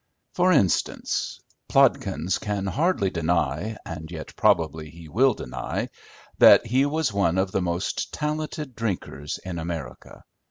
For instance, Plodkins can hardly deny, and yet probably he will deny, that he was one of the most talented drinkers in America.